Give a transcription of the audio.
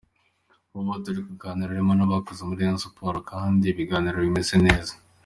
Mu bo turi kuganira harimo n’abahoze muri Rayon Sports kandi ibiganiro bimeze neza.